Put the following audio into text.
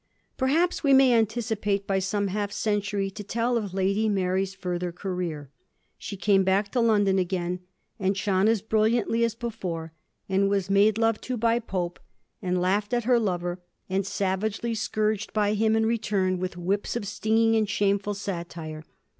Perhaps we may anticipate by some half century to tell of Lady Mary's further career. She came back to London again, and shone as brilliantly as before, and was made love to by Pope, and laughed at her lover, and was savagely scourged by him in return with whips of stinging and shameful satire.